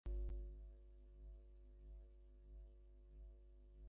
কিন্তু কেবল একটিমাত্র মহিলা হলে চলবে না বিপিন, অনেকগুলি স্ত্রীসভ্য চাই।